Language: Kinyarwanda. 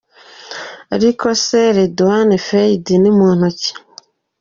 Ariko se Rédoine Faïd ni muntu ki?.